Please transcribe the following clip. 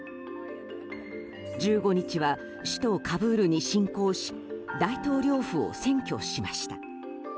１５日は首都カブールに進攻し大統領府を占拠しました。